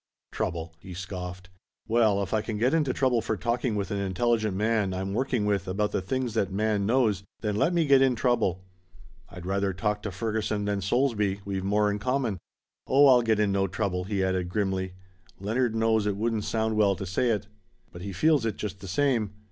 "Trouble!" he scoffed. "Well if I can get in trouble for talking with an intelligent man I'm working with about the things that man knows then let me get in trouble! I'd rather talk to Ferguson than Solesby we've more in common. Oh I'll get in no trouble," he added grimly. "Leonard knows it wouldn't sound well to say it. But he feels it, just the same.